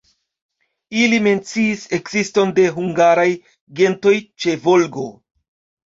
Ili menciis ekziston de hungaraj gentoj ĉe Volgo.